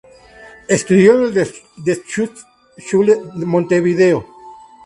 Estudió en el Deutsche Schule Montevideo.